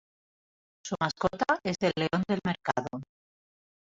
Su mascota es el León del Mercado.